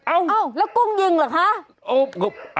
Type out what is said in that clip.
เอ้าแล้วกุ้งยิงเหรอคะ